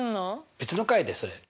別の回でそれ。